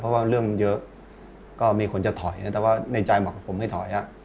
เพราะว่าเรื่องมันเยอะก็มีคนจะถอยนะแต่ว่าในใจเหมาะกับผมให้ถอย